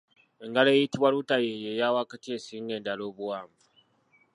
Engalo eyitibwa luta y’eyo eya wakati esinga endala obuwanvu.